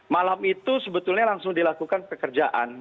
malam itu sebetulnya langsung dilakukan pekerjaan